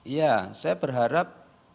ya saya berharap